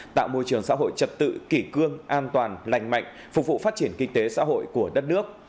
tạo môi trường xã hội trật tự kỷ cương an toàn lành mạnh phục vụ phát triển kinh tế xã hội của đất nước